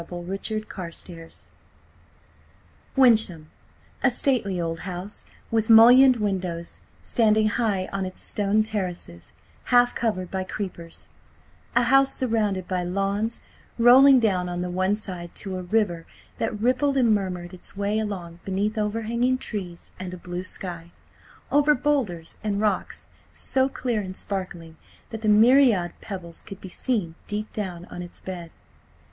RICHARD CARSTARES WYNCHAM! A stately old house with mullioned windows, standing high on its stone terraces, half covered by creepers; a house surrounded by lawns, rolling down on the one side to a river that rippled and murmured its way along beneath overhanging trees and a blue sky, over boulders and rocks, so clear and sparkling that the myriad pebbles could be seen deep down on its bed.